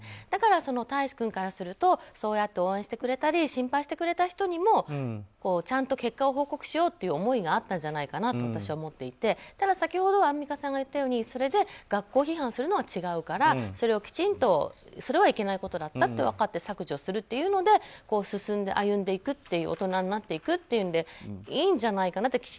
だから大維志君からするとそうやって応援してくれたり心配してくれた人にもちゃんと結果を報告しようという思いがあったんじゃないかなと私は思っていて、先ほどアンミカさんが言ったようにそれで学校批判するのは違うからそれをきちんと、それはいけないことだったと分かって削除するということで歩んでいく大人になっていくというのでいいんじゃないかなと。